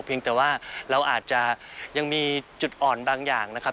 แต่ว่าเราอาจจะยังมีจุดอ่อนบางอย่างนะครับ